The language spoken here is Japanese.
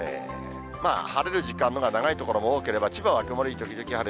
晴れる時間のほうが長い所も多ければ、千葉は曇り時々晴れ。